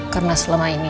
karena selama ini